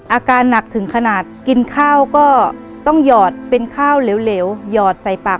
อาการหนักถึงขนาดกินข้าวก็ต้องหยอดเป็นข้าวเหลวหยอดใส่ปาก